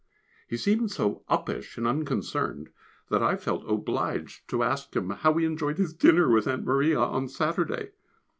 He seemed so uppish and unconcerned that I felt obliged to ask him how he enjoyed his dinner with Aunt Maria on Saturday.